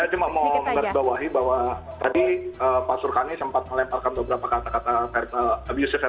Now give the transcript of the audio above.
saya cuma mau menerbawahi bahwa tadi pak surkani sempat melemparkan beberapa kata kata abusive verbal kepada saya